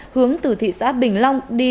hướng từ thị xã bình long đi